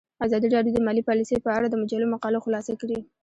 ازادي راډیو د مالي پالیسي په اړه د مجلو مقالو خلاصه کړې.